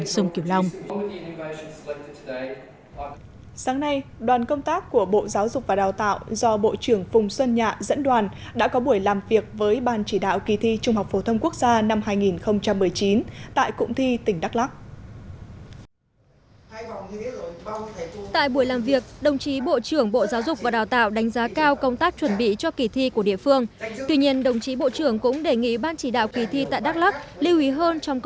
trước đó đoàn công tác của bộ giáo dục và đào tạo đã đến kiểm tra công tác chuẩn bị cho môn thi đầu tiên